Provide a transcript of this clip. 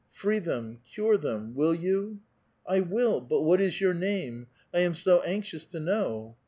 Free them ; cure them ; will vou ?"'^ I will ! But what is your name? I am so anxious to know